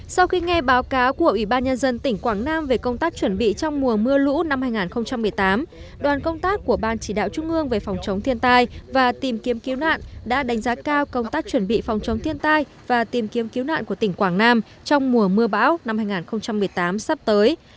sau khi nghe báo cáo của ủy ban nhân dân tỉnh quảng nam về công tác chuẩn bị trong mùa mưa lũ năm hai nghìn một mươi tám đoàn công tác của ban chỉ đạo trung ương về phòng chống thiên tai và tìm kiếm cứu nạn đã đánh giá cao công tác chuẩn bị phòng chống thiên tai và tìm kiếm cứu nạn của tỉnh quảng nam trong mùa mưa bão năm hai nghìn một mươi tám sắp tới